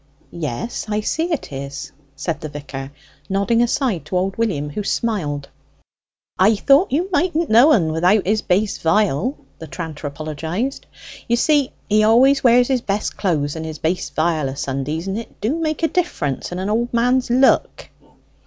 "Yes; I see it is," said the vicar, nodding aside to old William, who smiled. "I thought you mightn't know en without his bass viol," the tranter apologized. "You see, he always wears his best clothes and his bass viol a Sundays, and it do make such a difference in a' old man's look."